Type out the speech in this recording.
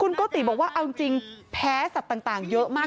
โกติบอกว่าเอาจริงแพ้สัตว์ต่างเยอะมาก